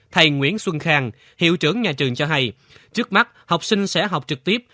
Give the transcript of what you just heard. thầy nguyễn xuân khang hiệu trưởng nhà trường cho hay trước mắt học sinh sẽ học trực tiếp